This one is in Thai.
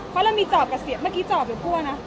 เจาะกระเสียเมื่อกี้เจาะเป็นพั่วนะ